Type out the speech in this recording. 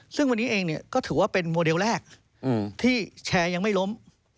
ซึ่งวันนี้เองก็ถือว่าเป็นโมเดลแรกที่แชร์ยังไม่ล้ม